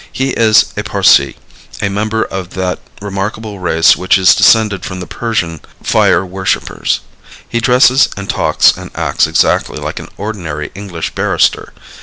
He is a Parsee, a member of that remarkable race which is descended from the Persian fire worshipers. He dresses and talks and acts exactly like an ordinary English barrister.